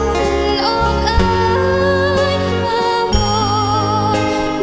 ออกอายมาวอก